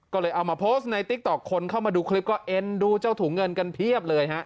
ก็เลยเอามาโพสต์ในติ๊กต๊อกคนเข้ามาดูคลิปก็เอ็นดูเจ้าถุงเงินกันเพียบเลยฮะ